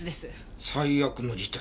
最悪の事態？